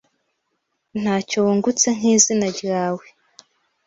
ntacyo wungutse nk’izina ryawe,